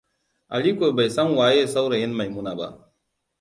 Aliko bai san waye saurayin Maimuna ba.